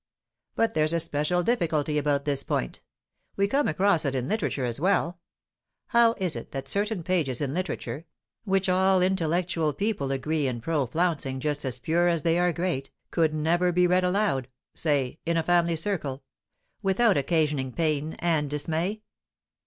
"But there's a special difficulty about this point. We come across it in literature as well. How is it that certain pages in literature, which all intellectual people agree in pro flouncing just as pure as they are great, could never be read aloud, say, in a family circle, without occasioning pain and dismay?